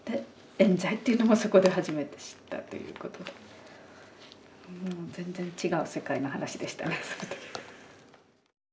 えん罪っていうのもそこで初めて知ったという事で全然違う世界の話でしたねその時は。